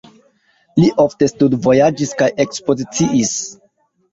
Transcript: Li ofte studvojaĝis kaj ekspoziciis.